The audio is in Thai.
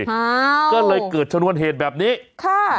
อ่าก็เลยเกิดชนวนเหตุแบบนี้ค่ะ